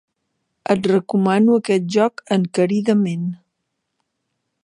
Et recomano aquest joc encaridament.